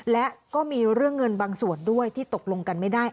และก็มีเรื่องเงินบางส่วนด้วยที่ตกลงกันไม่ได้